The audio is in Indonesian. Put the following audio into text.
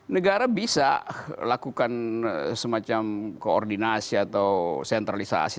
negara bisa lakukan semacam koordinasi atau sentralisasi